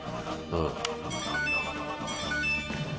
うん。